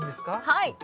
はい。